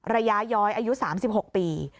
ระยะย้อยอายุ๓๖ปี